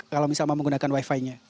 kalau misalnya mau menggunakan wifi nya